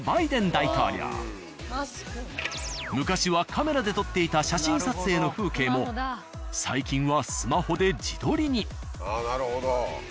昔はカメラで撮っていた写真撮影の風景も最近はスマホで自撮りに。